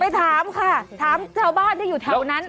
ถามค่ะถามชาวบ้านที่อยู่แถวนั้น